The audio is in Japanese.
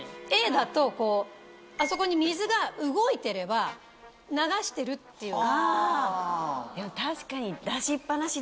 Ａだとあそこに水が動いてれば流してるっていう。